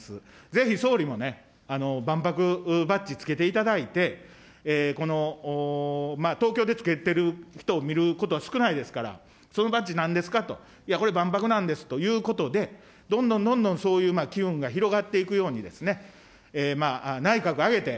ぜひ、総理もね、万博バッジつけていただいて、この東京でつけてる人を見ることは少ないですから、そのバッジ、なんですかと、いや、これ、万博なんですということで、どんどんどんどんそういう機運が広がっていくように、内閣挙げて、